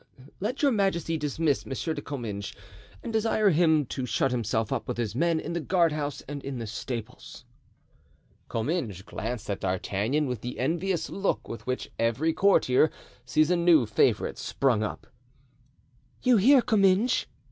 "Let your majesty dismiss M. de Comminges and desire him to shut himself up with his men in the guardhouse and in the stables." Comminges glanced at D'Artagnan with the envious look with which every courtier sees a new favorite spring up. "You hear, Comminges?"